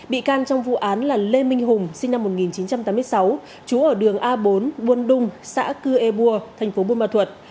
bị can trong vụ án là lê minh hùng sinh năm một nghìn chín trăm tám mươi sáu chú ở đường a bốn buôn đung xã cư ê bua thành phố buôn ma thuật